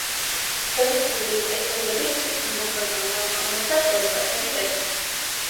ხელისგული ერთგულების ფიცს გამოხატავდა, რომელსაც ჯარისკაცები დებდნენ.